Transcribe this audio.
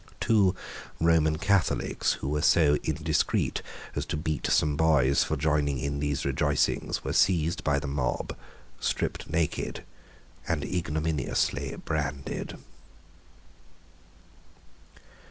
Two Roman Catholics who were so indiscreet as to beat some boys for joining in these rejoicings were seized by the mob, stripped naked, and ignominiously branded.